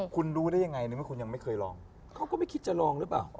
คุณรู้ได้ยังไงในเมื่อคุณยังไม่เคยลองเขาก็ไม่คิดจะลองหรือเปล่า